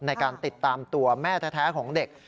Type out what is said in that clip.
ในการติดตามตัวแม่แท้ของเด็ก